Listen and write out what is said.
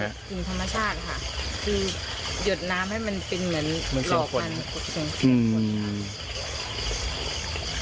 เป็นวิธีธรรมชาติค่ะคือหยดน้ำให้มันเป็นเหมือนหลอกพันธุ์